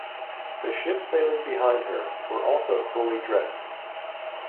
The ships sailing behind her were also fully dressed.